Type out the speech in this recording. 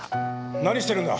何してるんだ！